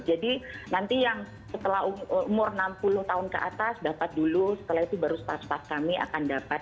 jadi nanti yang setelah umur enam puluh tahun ke atas dapat dulu setelah itu baru staff staff kami akan dapat